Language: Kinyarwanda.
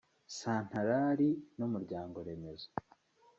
Santarari n’Umuryango Remezo